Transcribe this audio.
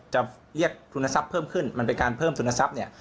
จะเรียกทุนทรัพย์เพิ่มขึ้นมันเป็นการเพิ่มทุนทรัพย์เนี่ย